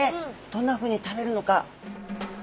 どんなふうに食べるのか。